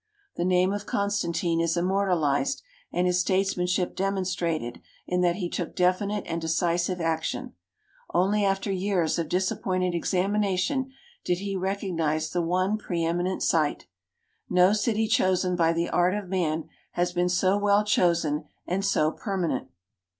The name of Constantine is immortalized and his statesmanship demonstrated in that he took definite and decisive action. Only after years of disappointed examination did he recognize the one preeminent site. " No city chosen by the art of man has been so well chosen and so permanent."